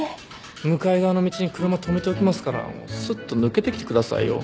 向かい側の道に車止めておきますからすっと抜けてきてくださいよ。